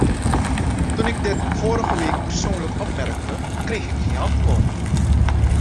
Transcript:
Toen ik dit vorige week persoonlijk opmerkte, kreeg ik geen antwoord.